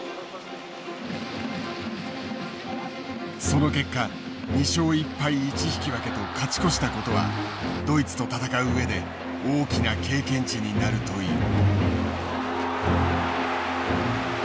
その結果２勝１敗１引き分けと勝ち越したことはドイツと戦う上で大きな経験値になるという。